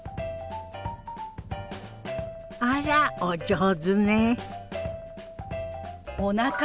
あらお上手ね。